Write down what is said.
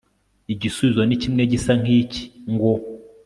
Igisubizo ni kimwe gisa ngiki ngo